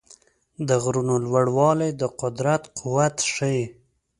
د غرونو لوړوالي د قدرت قوت ښيي.